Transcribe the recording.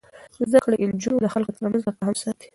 زده کړې نجونې د خلکو ترمنځ تفاهم ساتي.